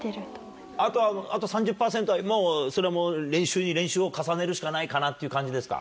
あと３０％は練習に練習を重ねるしかないかなっていう感じですか？